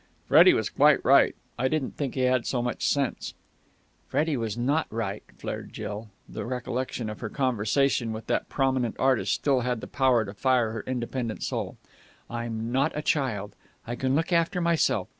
"Freddie was quite right. I didn't think he had so much sense." "Freddie was not right," flared Jill. The recollection of her conversation with that prominent artist still had the power to fire her independent soul. "I'm not a child. I can look after myself.